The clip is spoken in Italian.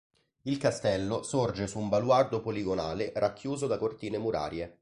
Il castello sorge su un baluardo poligonale racchiuso da cortine murarie.